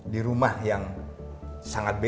di rumah yang sangat beda ya mbak